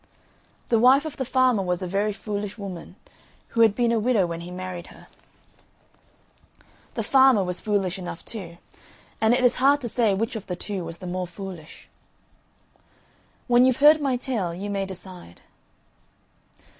The wife of the farmer was a very foolish woman, who had been a widow when he married her; the farmer was foolish enough, too, and it is hard to say which of the two was the more foolish. When you've heard my tale you may decide.